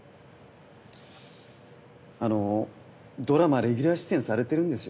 あのドラマレギュラー出演されてるんですよね？